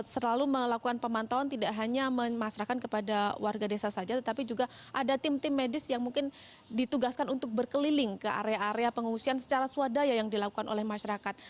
selalu melakukan pemantauan tidak hanya memasrahkan kepada warga desa saja tetapi juga ada tim tim medis yang mungkin ditugaskan untuk berkeliling ke area area pengungsian secara swadaya yang dilakukan oleh masyarakat